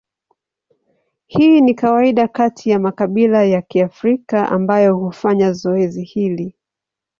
Hii ni kawaida kati ya makabila ya Kiafrika ambayo hufanya zoezi hili.